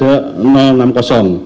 yaitu kode dari dris aryani harhab